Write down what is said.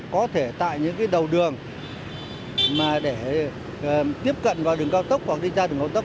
có thể tại những đầu đường mà để tiếp cận vào đường cao tốc hoặc đi ra đường cao tốc